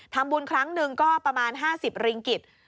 ทำบุญครั้งหนึ่งก็ประมาณ๕๐ริงกิจ